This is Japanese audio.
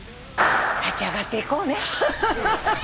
立ち上がっていこうね。